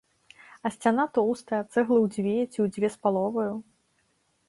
А сцяна тоўстая, цэглы ў дзве ці ў дзве з паловаю.